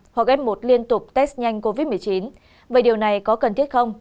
hoặc f một liên tục test nhanh covid một mươi chín vậy điều này có cần thiết không